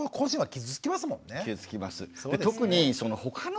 傷つきます。